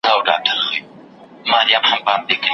روانه ده او د دې ویرژلي اولس